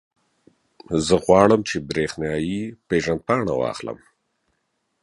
زه غواړم، چې برېښنایي پېژندپاڼه واخلم.